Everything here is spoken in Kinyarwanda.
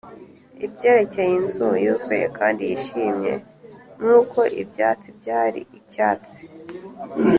ibyerekeye inzu yuzuye kandi yishimye nkuko ibyatsi byari icyatsi,